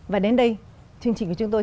và đến đây chương trình của chúng tôi